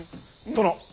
殿。